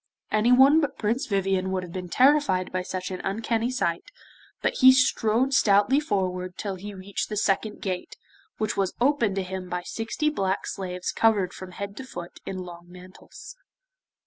Anyone but Prince Vivien would have been terrified by such an uncanny sight, but he strode stoutly forward till he reached the second gate, which was opened to him by sixty black slaves covered from head to foot in long mantles.